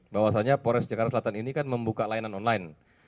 bahwasannya polres jakarta selatan ini kan membuka layanan online